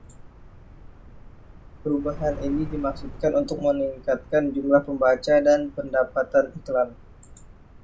Perubahan ini dimaksudkan untuk meningkatkan jumlah pembaca dan pendapatan iklan.